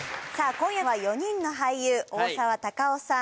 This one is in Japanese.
今夜は４人の俳優大沢たかおさん